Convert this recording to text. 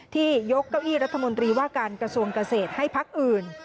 ที่ยกเก้าอี้รัฐมนตรีว่าการกระทรวงเกษตรให้พักอื่น